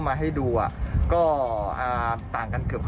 วิธีสร้างงานปกติ